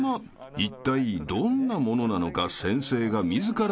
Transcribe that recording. ［いったいどんなものなのか先生が自ら実践］